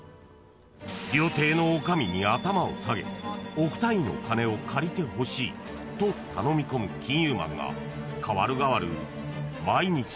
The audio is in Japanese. ［料亭の女将に頭を下げ億単位の金を借りてほしいと頼み込む金融マンが代わる代わる店を］